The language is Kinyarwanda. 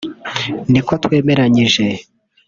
niko twemeranyije